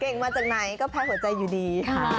มาจากไหนก็แพ้หัวใจอยู่ดีค่ะ